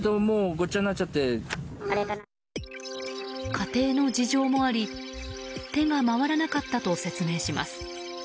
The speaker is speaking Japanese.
家庭の事情もあり手が回らなかったと説明します。